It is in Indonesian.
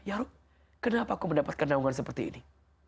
ya ruk kenapa aku mendapatkan daungan seperti ini